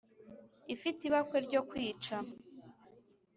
ifite ibakwe ryo kwica